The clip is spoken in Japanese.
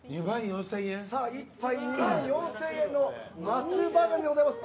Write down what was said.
１杯２万４０００円の松葉ガニでございます。